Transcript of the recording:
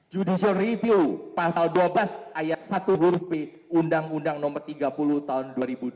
judicial review pasal dua belas ayat satu huruf b undang undang no tiga puluh tahun dua ribu dua